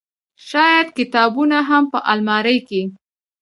شايد کتابونه هم په المارۍ کې